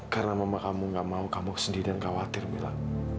karena mama kamu gak mau kamu sendiri dan khawatir mela